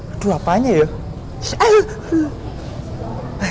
aduh apanya ya